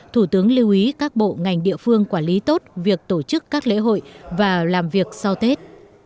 thủ tướng lưu ý các bộ ngành địa phương quản lý tốt việc tổ chức các lễ hội và làm việc sau tết